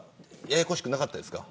ややこしくなかったですか。